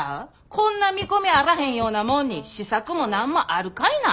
こんな見込みあらへんようなもんに試作も何もあるかいな。